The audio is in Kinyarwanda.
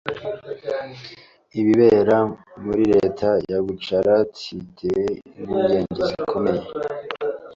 ibibera muri leta ya Gujarat biteye impungenge zikomeye.